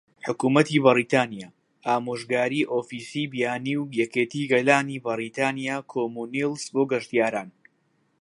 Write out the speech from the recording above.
حکومەتی بەریتانیا، - ئامۆژگاری ئۆفیسی بیانی و یەکێتی گەلانی بەریتانیا کۆمونیڵس بۆ گەشتیاران